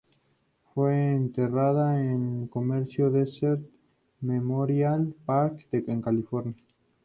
Fue enterrada en el cementerio Desert Memorial Park en California.